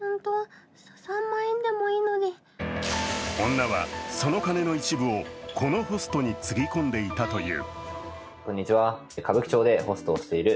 女はその金の一部をこのホストにつぎ込んでいたという。